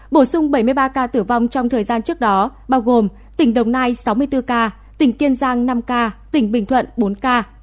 bổ sung bảy mươi ba ca tử vong trong thời gian trước đó bao gồm tỉnh đồng nai sáu mươi bốn ca tỉnh kiên giang năm ca tỉnh bình thuận bốn ca